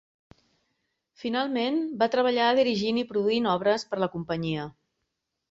Finalment, va treballar dirigint i produint obres per a la companyia.